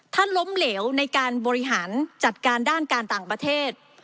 ล้มเหลวในการบริหารจัดการด้านการต่างประเทศ